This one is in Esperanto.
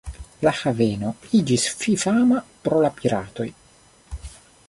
La haveno iĝis fifama pro la piratoj.